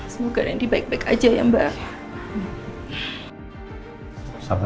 semoga nanti baik baik aja ya mbak